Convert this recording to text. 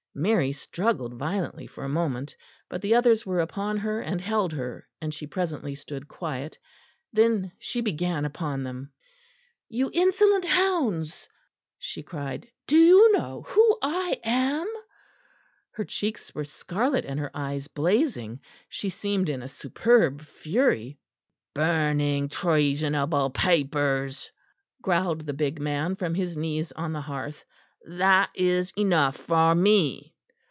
Mary struggled violently for a moment; but the others were upon her and held her, and she presently stood quiet. Then she began upon them. "You insolent hounds!" she cried, "do you know who I am?" Her cheeks were scarlet and her eyes blazing; she seemed in a superb fury. "Burning treasonable papers," growled the big man from his knees on the hearth, "that is enough for me."